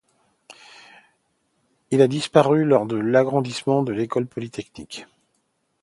Elle a disparu lors de l’agrandissement de l'École polytechnique.